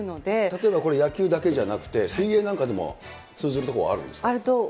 例えばこれ、野球だけじゃなくて、水泳なんかでも通ずるところはあるんですか。